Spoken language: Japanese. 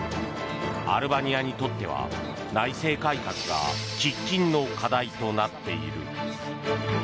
アルバニアにとっては内政改革が喫緊の課題となっている。